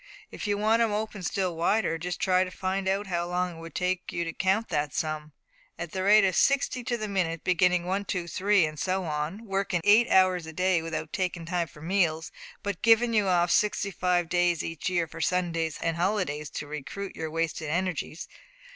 If you want 'em opened still wider, just try to find out how long it would take you to count that sum, at the rate of sixty to the minute, beginning one, two, three, and so on, workin' eight hours a day without takin' time for meals, but givin' you off sixty five days each year for Sundays and holidays to recruit your wasted energies."